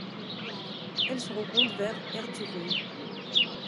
Elle se rencontre vers Erzurum.